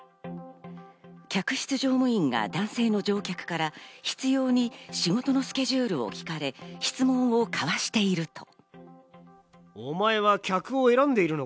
客室乗務員が男性の乗客から執拗に仕事のスケジュールを聞かれ、質問かわしていると。